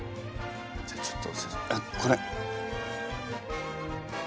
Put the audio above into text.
じゃあちょっと。